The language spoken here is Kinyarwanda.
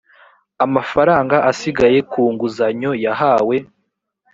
amafaranga asigaye ku nguzanyo yahawe